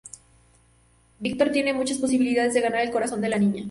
Víctor tiene muchas posibilidades de ganar el corazón de la niña.